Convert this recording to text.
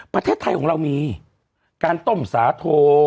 ประเทศไทยของเรามีการต้มสาโท